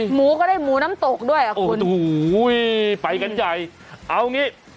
หมูก็ได้หมูน้ำตกด้วยอ่ะคุณโอ้โหไปกันใหญ่เอางี้